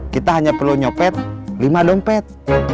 kita hanya perlu nyopet lima dompet